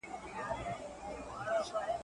یو څه سیالي د زمانې ووینو.